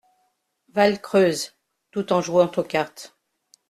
Valcreuse, tout en jouant aux cartes.